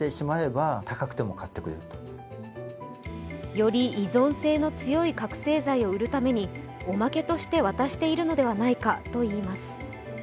より依存性の強い覚醒剤を売るためにおまけとして渡しているのではないかといいます。